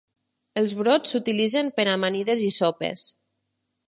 Els brots s'utilitzen per a amanides i sopes.